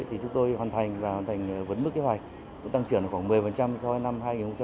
thì chúng tôi hoàn thành và hoàn thành vấn mức kế hoạch tăng trưởng khoảng một mươi so với năm hai nghìn một mươi bảy